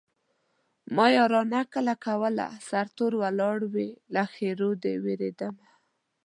ما يارانه کله کوله سرتور ولاړ وې له ښېرو دې وېرېدمه